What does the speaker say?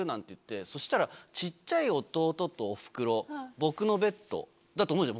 そしたら小っちゃい弟とおふくろ僕のベッドだと思うじゃん